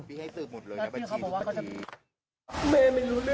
พี่ให้สืบหมดเลยนะบัญชีบัญชี